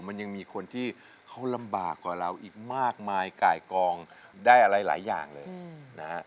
มันยังมีคนที่เขาลำบากกว่าเราอีกมากมายไก่กองได้อะไรหลายอย่างเลยนะฮะ